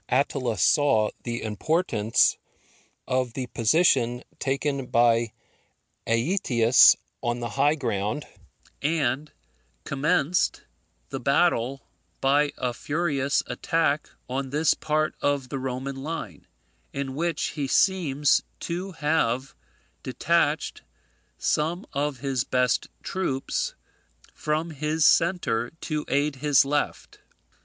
Attila saw the importance of the position taken by Aetius on the high ground, and commenced the battle by a furious attack on this part of the Roman line, in which he seems to have detached some of his best troops from his centre to aid his left.